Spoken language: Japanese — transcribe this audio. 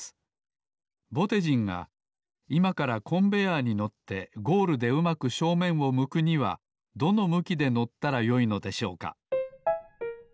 ぼてじんがいまからコンベアーに乗ってゴールでうまく正面を向くにはどの向きで乗ったらよいのでしょうか？